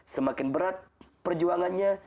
semakin berat perjuangannya